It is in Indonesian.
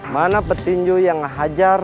mana petinju yang hajar